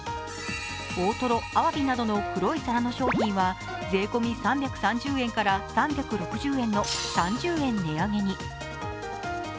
大トロ、あわびなどの黒い皿の商品は税込み３３０円から３６０円の３０円値上げに。